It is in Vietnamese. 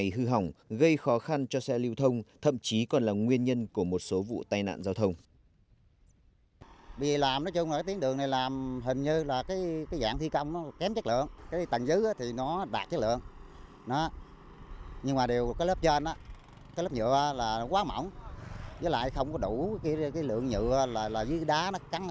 hư hỏng gây khó khăn cho xe lưu thông thậm chí còn là nguyên nhân của một số vụ tai nạn giao thông thậm chí còn là nguyên nhân của một số vụ tai nạn giao thông